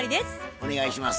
お願いします。